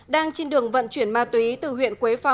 đang trên đường vận chuyển ma túy